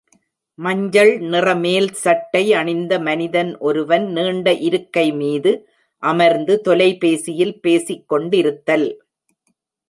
மஞ்சள் நிற மேல்சட்டை அணிந்த மனிதன் ஒருவன் நீண்ட இருக்கை மீது அமர்ந்து தொலைபேசியில் பேசிக்கொண்டிருத்தல்.